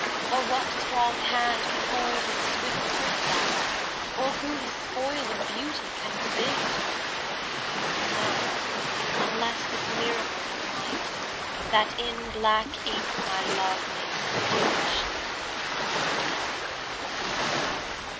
Or what strong hand can hold his swift foot back? Or who his spoil of beauty can forbid? O! none, unless this miracle have might, That in black ink my love may still shine bright.